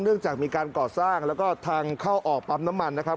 เรื่องจากมีการก่อสร้างแล้วก็ทางเข้าออกปั๊มน้ำมันนะครับ